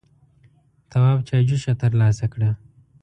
تواب چايجوشه تر لاسه کړه.